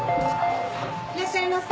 いらっしゃいませ。